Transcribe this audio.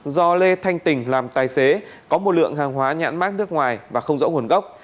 do lê thanh tỉnh làm tài xế có một lượng hàng hóa nhãn mát nước ngoài và không rõ nguồn gốc